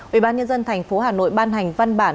ủy ban nhân dân thành phố hà nội ban hành văn bản